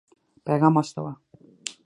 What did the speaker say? پيغام واستاوه.